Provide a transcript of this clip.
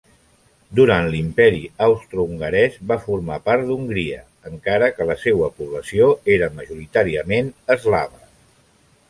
Durant l'Imperi austrohongarès, va formar part d'Hongria, encara que la seua població era majoritàriament eslava.